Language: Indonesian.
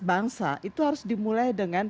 bangsa itu harus dimulai dengan